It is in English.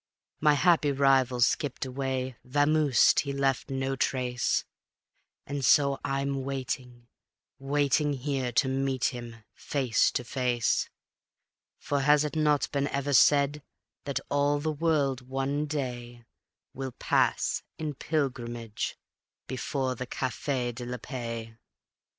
My happy rival skipped away, vamoosed, he left no trace; And so I'm waiting, waiting here to meet him face to face; For has it not been ever said that all the world one day Will pass in pilgrimage before the Cafe de la Paix?"